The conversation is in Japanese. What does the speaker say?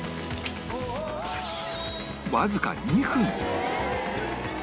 わずか２分